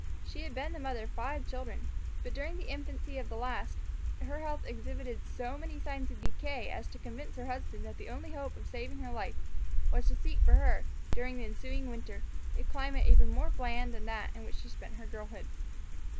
She had been the mother of five children; but, during the infancy of the last, her health exhibited so many signs of decay as to convince her husband that the only hope of saving her life was to seek for her, during the ensuing winter, a climate even more bland than that in which she had spent her girlhood.